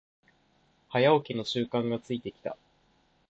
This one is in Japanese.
早起きの習慣がついてきた